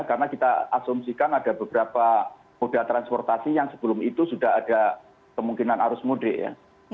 karena kita asumsikan ada beberapa moda transportasi yang sebelum itu sudah ada kemungkinan arus mudik ya